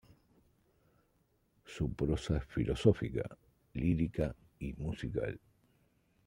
Su prosa es filosófica, lírica y musical.